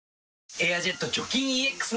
「エアジェット除菌ＥＸ」